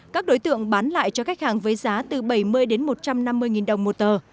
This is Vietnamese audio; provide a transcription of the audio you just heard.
các đối tượng bán lại cho khách hàng với giá từ bảy mươi đến một trăm năm mươi đồng một tờ